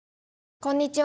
こんにちは。